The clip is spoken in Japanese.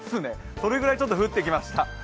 それぐらいちょっと降ってきました。